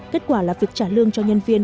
kết quả là việc trả lương cho nhân viên